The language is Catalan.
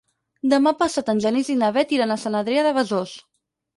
Demà passat en Genís i na Bet iran a Sant Adrià de Besòs.